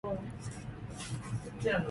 目の前には蒼く澄んだ世界が広がっていた。